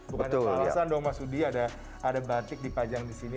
bukan ada kain hiasan dong mas udi ada batik dipajang disini